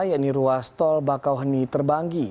yaitu ruas tol bakau huni terbanggi